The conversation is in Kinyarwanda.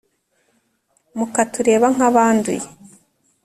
mukatureba nk’abanduye’